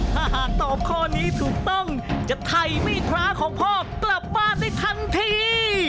ถ้าหากตอบข้อนี้ถูกต้องจะไถมีดพระของพ่อกลับบ้านได้ทันที